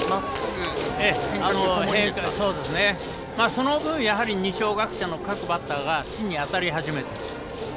その分、二松学舍の各バッターが芯に当たり始めている。